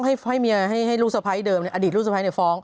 ให้เมียให้ลูกสะพ้ายเดิมอดีตลูกสะพ้ายเนี่ยฟ้อง